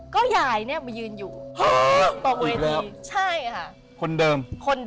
ก็ยายนี่มันยืนอยู่ตอบอีกทีใช่ค่ะคนเดิม